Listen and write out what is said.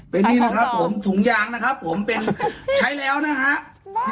เป็นนี่นะครับผมถุงยางนะครับผมเป็นใช้แล้วนะฮะ